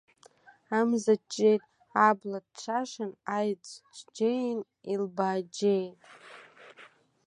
Амза ҷҷеиит абла ҭшашан, Аеҵә џьџьеиин илбааџьџьеит.